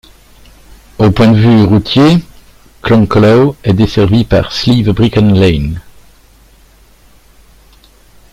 Au point de vue routier, Cloncollow est desservi par Slievebrickan lane.